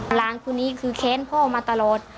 หลานคนนี้คือแค้นพ่อมาตลอด